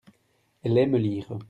Elle aime lire.